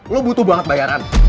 lo butuh banget bayaran